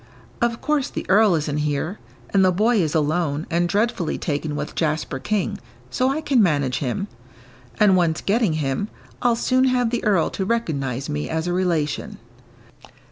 "Of course the earl isn't here and the boy is alone, and dreadfully taken with Jasper King, so I can manage him. And once getting him, I'll soon have the earl to recognise me as a relation."